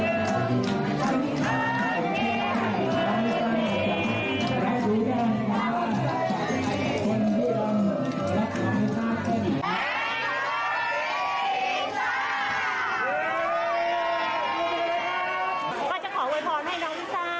ก็จะขอโวยพรให้น้องทราบมีสิ่งประภาพร่างกายแข็งแรง